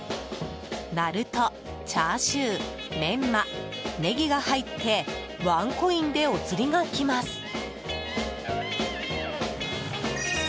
なると、チャーシュー、メンマネギが入ってワンコインでお釣りがきます。